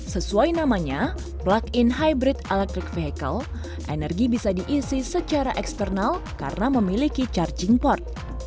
sesuai namanya plug in hybrid electric vehicle energi bisa diisi secara eksternal karena memiliki charging port